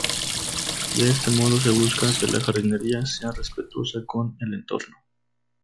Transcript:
De este modo se busca que la jardinería sea respetuosa con el entorno.